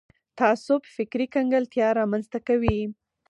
تعصب فکري کنګلتیا رامنځته کوي